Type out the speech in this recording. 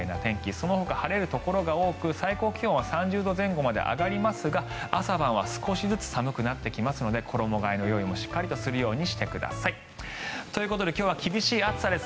そのほか晴れるところが多く最高気温は３０度前後まで上がりますが朝晩は少しずつ寒くなってきますので衣替えの用意もしっかりとするようにしてください。ということで今日は厳しい暑さです。